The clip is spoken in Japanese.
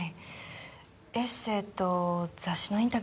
エッセーと雑誌のインタビューが何本か。